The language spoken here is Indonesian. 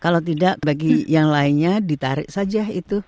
kalau tidak bagi yang lainnya ditarik saja itu